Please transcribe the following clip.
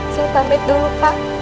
silahkan tamit dulu pak